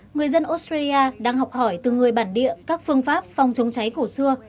người dân australia đang học hỏi từ người bản địa các phương pháp phòng chống cháy cổ xưa